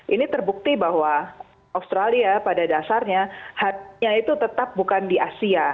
ini terbukti bahwa australia pada dasarnya itu tetap bukan di asia